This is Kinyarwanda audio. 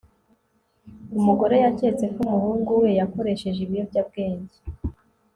Umugore yaketse ko umuhungu we yakoresheje ibiyobyabwenge